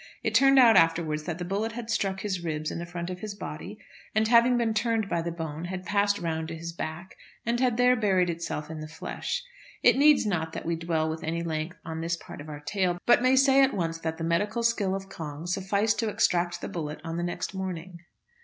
It turned out afterwards that the bullet had struck his ribs in the front of his body, and, having been turned by the bone, had passed round to his back, and had there buried itself in the flesh. It needs not that we dwell with any length on this part of our tale, but may say at once that the medical skill of Cong sufficed to extract the bullet on the next morning.